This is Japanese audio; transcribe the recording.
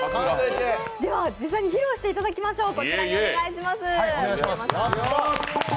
では実際に披露していただきましょう。